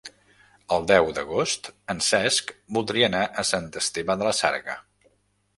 El deu d'agost en Cesc voldria anar a Sant Esteve de la Sarga.